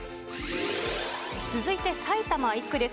続いて埼玉１区です。